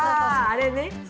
あれね。